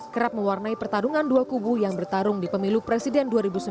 kerap mewarnai pertarungan dua kubu yang bertarung di pemilu presiden dua ribu sembilan belas